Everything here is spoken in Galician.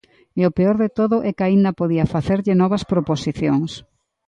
E o peor de todo é que aínda podía facerlle novas proposicións.